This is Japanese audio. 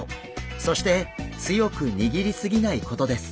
そして強く握りすぎないことです。